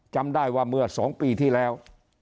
จำได้ว่าเมื่อ๒ปีที่แล้ว